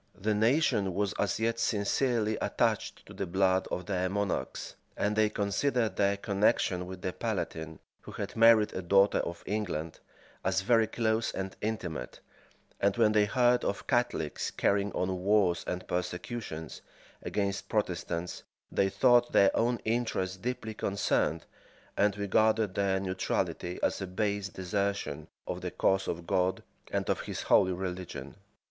The nation was as yet sincerely attached to the blood of their monarchs, and they considered their connection with the palatine, who had married a daughter of England, as very close and intimate; and when they heard of Catholics carrying on wars and persecutions against Protestants, they thought their own interest deeply concerned, and regarded their neutrality as a base desertion of the cause of God, and of his holy religion.